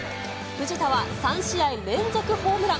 藤田は３試合連続ホームラン。